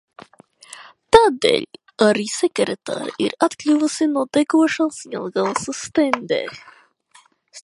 Tādēļ arī sekretāre ir atkļuvusi no degošās Jelgavas uz Stendi.